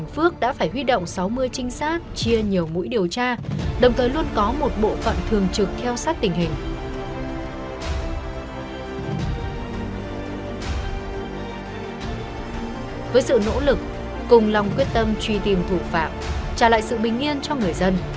với sự nỗ lực cùng lòng quyết tâm truy tìm thủ phạm trả lại sự bình yên cho người dân